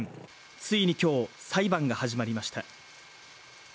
ついに今日、裁判が始まりました。